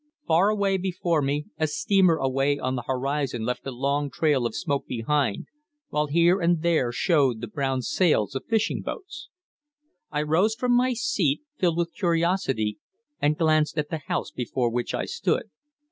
Far away before me a steamer away on the horizon left a long trail of smoke behind, while here and there showed the brown sails of fishing boats. I rose from my seat, filled with curiosity, and glanced at the house before which I stood.